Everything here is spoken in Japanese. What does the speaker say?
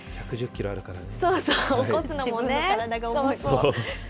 １１０キロあるからね。